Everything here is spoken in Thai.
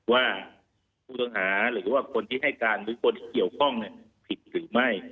ว่าผู้ต้องหาหรือว่าคนที่ให้การหรือคนที่เกี่ยวข้องผิดหรือไม่